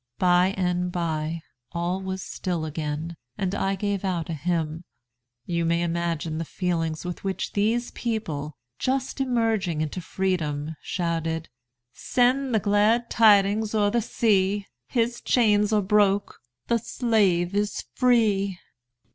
By and by all was still again, and I gave out a hymn. You may imagine the feelings with which these people, just emerging into freedom, shouted 'Send the glad tidings o'er the sea! His chains are broke, the slave is free!'"